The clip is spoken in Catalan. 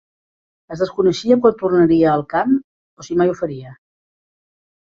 Es desconeixia quan tornaria al camp o si mai ho faria.